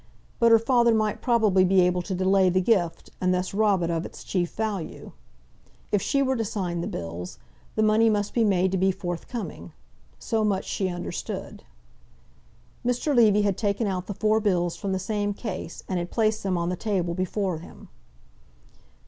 But her father might probably be able to delay the gift, and thus rob it of its chief value. If she were to sign the bills, the money must be made to be forthcoming. So much she understood. Mr. Levy had taken out the four bills from the same case, and had placed them on the table before him.